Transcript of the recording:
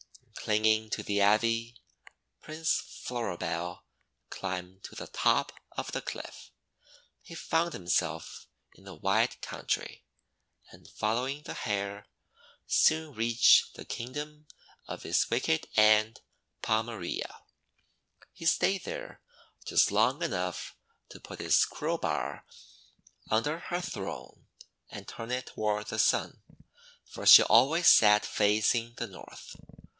Clinging to the Ivy, Prince Floribel climbed to the top of the cliff. He found himself in a wide country, and, following the hair, soon reached the Kingdom of his wicked Aunt Pomarea. He stayed there just long enough to put his crowbar under her throne, and turn it toward the Sun, for she always sat facing the North.